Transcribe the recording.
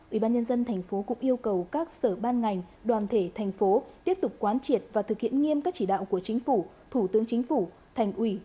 ubnd tp cũng yêu cầu các sở ban ngành đoàn thể thành phố tiếp tục quán triệt và thực hiện nghiêm các chỉ đạo của chính phủ thủ tướng chính phủ thành ủy